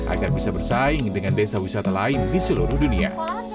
agar bisa bersaing dengan desa wisata lain di seluruh dunia